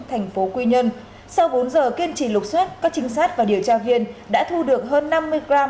tp quy nhân sau bốn giờ kiên trì lục xuất các trinh sát và điều tra viên đã thu được hơn năm mươi gram